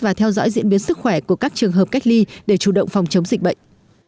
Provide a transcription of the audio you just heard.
và theo dõi diễn biến sức khỏe của các trường hợp cách ly để chủ động phòng chống dịch bệnh